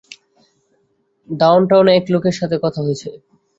ডাউনটাউনে এক লোকের সাথে কথা হয়েছে।